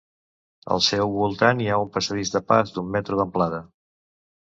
Al seu voltant hi ha un passadís de pas d'un metre d'amplada.